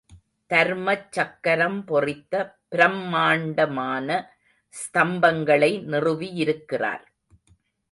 தர்மச் சக்கரம் பொறித்த பிரம்மாண்டமான ஸ்தம்பங்களை நிறுவியிருக்கிறார்.